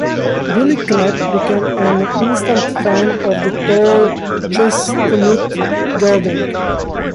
Willie Knapp became an instant fan of the tall chestnut gelding.